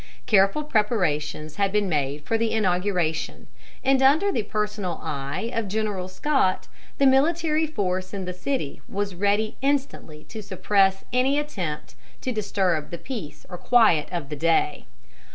Careful preparations had been made for the inauguration, and under the personal eye of General Scott the military force in the city was ready instantly to suppress any attempt to disturb the peace or quiet of the day.